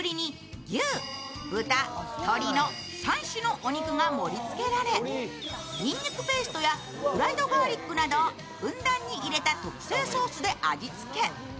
３種のお肉が盛り付けられにんにくペーストやフライドガーリックなどふんだんに入れた特製ソースで味付け。